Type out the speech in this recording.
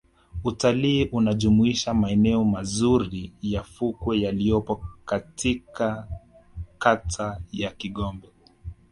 Utalii unajumuisha maeneo mazuri ya fukwe yaliyopo katika kata ya Kigombe